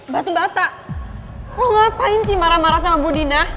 batu bata lo ngapain sih marah marah sama bu dina